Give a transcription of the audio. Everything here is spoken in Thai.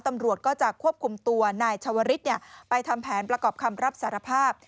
ตำรวจก็จะควบคุมตัวนายชาวริสไปทำแผนประกอบคำรับสารภาพ